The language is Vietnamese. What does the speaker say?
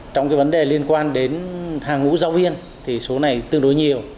trong cái vấn đề liên quan đến hàng ngũ giáo viên thì số này tương đối nhiều